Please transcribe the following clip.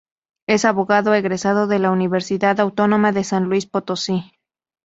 Es abogado egresado de la Universidad Autónoma de San Luis Potosí.